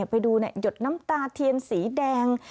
ไปดูหยดน้ำตาเทียนสีแดง